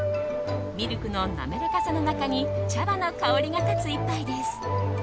ミルクの滑らかさの中に茶葉の香りが立つ一杯です。